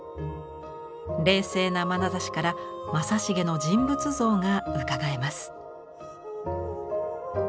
冷静なまなざしから正成の人物像がうかがえます。